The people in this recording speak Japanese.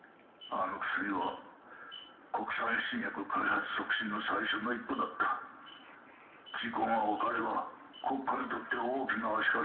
「あの薬は国産新薬開発促進の最初の一歩だった」「事故がわかれば国家にとって大きな足かせになっただろう」